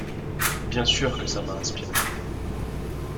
Bien sûr que ça m'a inspirée.